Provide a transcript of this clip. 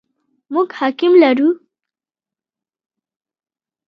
موږ حکیم لرو ؟